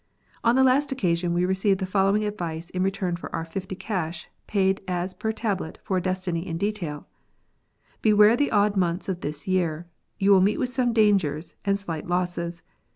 On the last occasion we received the following advice in return for our 50 cash, paid as per tablet for a destiny in detail :—" Beware the odd months of this year : you will meet with some dangers and slight losses.